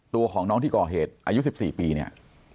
ตัวของน้องที่ก่อเหตุอายุ๑๔ปีเนี่ย